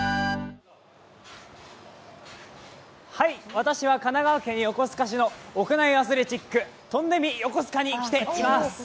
私は神奈川県横須賀市の屋内型のアスレチック、トンデミ横須賀に来ています。